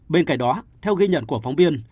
bên cạnh đó theo ghi nhận của phóng viên